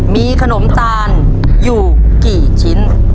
มีขนมตาลอยู่กี่ชิ้น